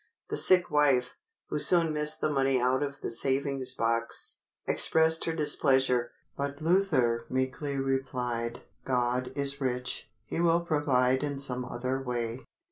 The sick wife, who soon missed the money out of the savings box, expressed her displeasure, but Luther meekly replied, "God is rich; he will provide in some other way."